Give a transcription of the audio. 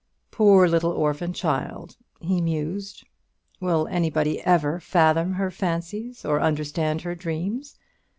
"Poor little orphan child!" he mused, "will anybody ever fathom her fancies or understand her dreams?